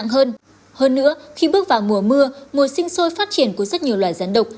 hơn nữa khi bước vào mùa mưa mùa sinh sôi phát triển của rất nhiều loài rán độc